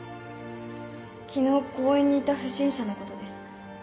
昨日公園にいた不審者の事です。